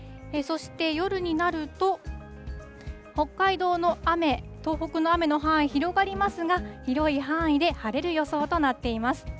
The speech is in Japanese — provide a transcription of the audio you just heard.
そして夜になると、北海道の雨、東北の雨の範囲、広がりますが、広い範囲で晴れる予想となっています。